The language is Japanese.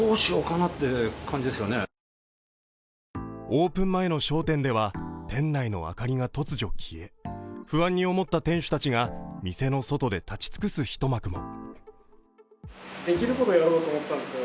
オープン前の商店では店内の明かりが突如消え不安に思った店主たちが店の外で立ち尽くす一幕も。